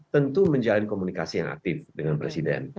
tentu menjalin komunikasi yang aktif dengan presiden